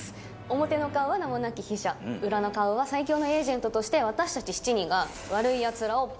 表の顔は名もなき秘書裏の顔は最強のエージェントとして私たち７人が悪いヤツらをぶっ潰させていただきます。